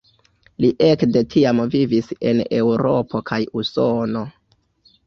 Li ekde tiam vivis en Eŭropo kaj Usono.